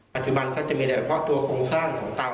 ปัจจุบันก็จะมีแต่ว่าตัวของตัวเตา